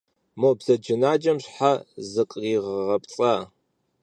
Мо бзаджэнаджэм щхьэ зыкъригъэгъэпцӏа?